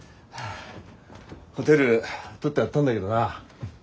ホテル取ってあったんだげどな。